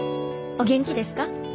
お元気ですか？